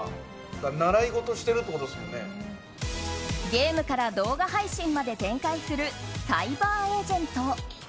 ゲームから動画配信まで展開する、サイバーエージェント。